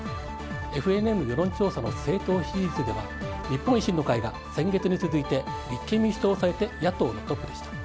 ＦＮＮ世論調査の政党支持率では日本維新の会が先月に続いて立憲民主党を抑えて野党のトップでした。